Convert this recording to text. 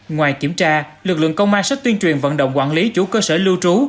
ngoài kiểm tra lực lượng công an sẽ tuyên truyền vận động quản lý chủ cơ sở lưu trú